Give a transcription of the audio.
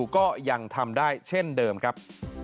ก็ยังทำได้เช่นเดิมครับ